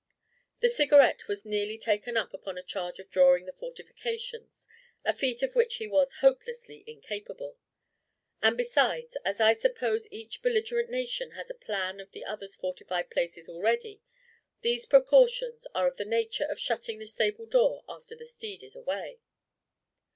The Cigarette was nearly taken up upon a charge of drawing the fortifications: a feat of which he was hopelessly incapable. And besides, as I suppose each belligerent nation has a plan of the other's fortified places already, these precautions are of the nature of shutting the stable door after the steed is away.